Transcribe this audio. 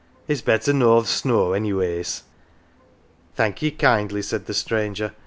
It's better nor th' snow anyways." " Thank ye kindly," said the stranger.